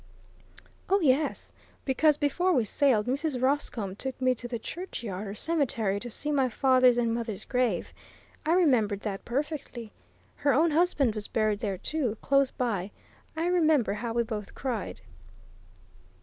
"Oh, yes! Because, before we sailed, Mrs. Roscombe took me to the churchyard, or cemetery, to see my father's and mother's grave. I remembered that perfectly. Her own husband was buried there too, close by. I remember how we both cried."